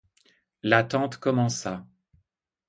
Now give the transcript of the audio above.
L'attente commença.